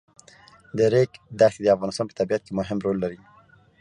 د ریګ دښتې د افغانستان په طبیعت کې مهم رول لري.